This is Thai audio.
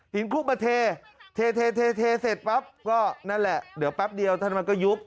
คู่มาเทเสร็จปั๊บก็นั่นแหละเดี๋ยวแป๊บเดียวท่านมันก็ยุบ